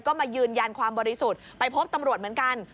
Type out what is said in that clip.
ก็มายืนยันความบริสุทธิ์ไปพบตำรวจเหมือนกัน